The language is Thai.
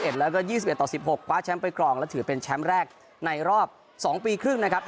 แล้วก็๒๑ต่อ๑๖คว้าแชมป์ไปกรองและถือเป็นแชมป์แรกในรอบ๒ปีครึ่งนะครับ